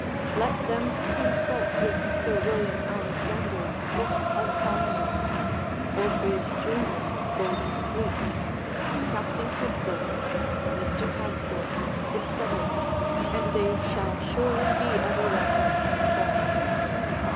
Let them consult with Sir William Alexander's Book of Colonies, Orpheus Junior's Golden Fleece, Captain Whitburne, Mr. Hagthorpe, &c. and they shall surely be otherwise informed.